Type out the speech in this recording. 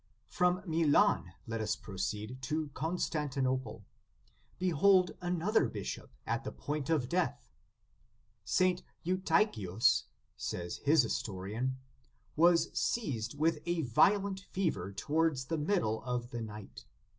"J From Milan let us proceed to Constanti nople. Behold another bishop at the point of death. "St. Eutychius," says his historian, "was seized with a violent fever towards the middle of the night.